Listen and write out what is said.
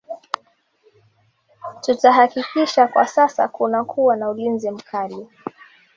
tutahakikisha kwa sasa kunakuwa na ulinzi mkali